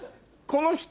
この人。